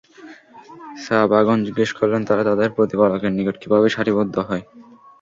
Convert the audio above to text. সাহাবাগণ জিজ্ঞেস করলেন, তারা তাদের প্রতিপালকের নিকট কিভাবে সারিবদ্ধ হয়?